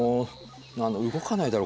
何だ動かないだろ